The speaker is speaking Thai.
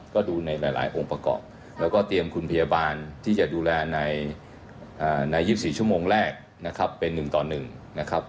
ก็ดูในหลายองค์ประกอบแล้วก็เตรียมคุณพยาบาลที่จะดูแลใน๒๔ชั่วโมงแรกนะครับเป็น๑ต่อ๑นะครับ